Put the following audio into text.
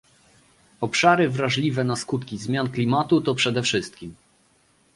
Obszary wrażliwe na skutki zmian klimatu to przede wszystkim